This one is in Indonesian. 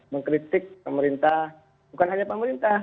mengkritik pemerintah bukan hanya pemerintah